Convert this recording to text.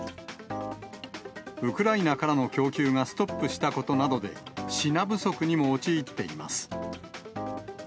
ウクライナからの供給がストップしたことなどで、品不足にも陥っています。